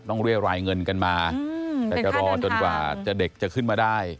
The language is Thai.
เรียรายเงินกันมาแต่จะรอจนกว่าเด็กจะขึ้นมาได้